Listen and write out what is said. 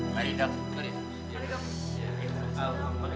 tidak ada yang mencari